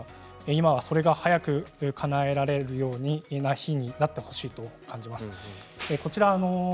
今は、それが早くかなえられるようにかなえられるような日になってほしいと思っています。